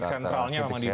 titik sentralnya akan dibuka